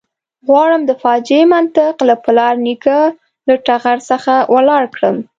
غواړم د فاجعې منطق له پلار نیکه له ټغر څخه ولاړ کړم.